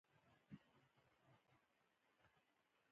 د زراعت پوهنځی د کرنې او فارمینګ سره اړوند پوهه وړاندې کوي.